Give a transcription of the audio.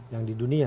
yang di dunia